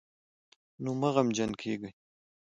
نو مه غمجن کېږئ